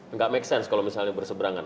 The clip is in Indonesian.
enggak make sense kalau misalnya bersebrangan